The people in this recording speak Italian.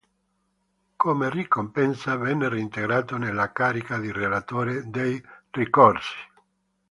Come ricompensa venne reintegrato nella carica di Relatore dei ricorsi.